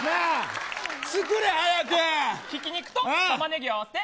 ひき肉と玉ねぎを合わせて